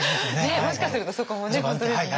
もしかするとそこもね本当ですね。